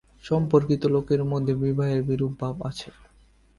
সম্পর্কিত লোকের মধ্যে বিবাহের বিরূপ ভাব আছে।